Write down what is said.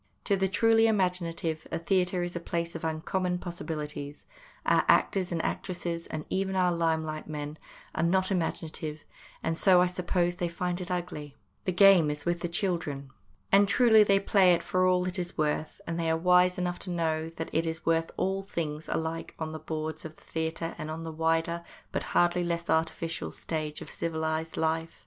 To the truly imaginative a theatre is a place of uncommon possibilities ; our actors and actresses, and even our lime light men, are not imaginative, and so, I suppose, they find it ugly. The game is with the children. And truly they play it for what it is worth, and they are wise enough to know that it is worth all things, alike on the boards of the theatre and on the wider, but hardly less artificial, stage of civilised life.